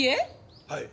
はい。